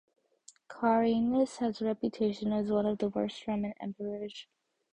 Carinus has a reputation as one of the worst Roman emperors.